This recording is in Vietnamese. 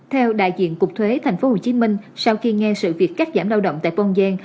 theo đại diện cục thuế thành phố hồ chí minh sau khi nghe sự việc cắt giảm lao động tại bojen